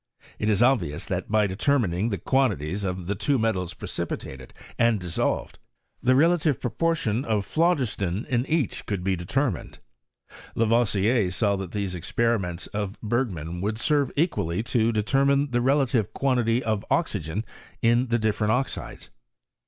It is obvious, that by detomining the quan tities of the two metals precipitated and disscivedy the relatiye proportion of phlogiston in each coold be determined. Lafoisier saw that these experi ments of Bergman would senre equally to determine the relatrve quantity of oxygen in the dififerent oxides.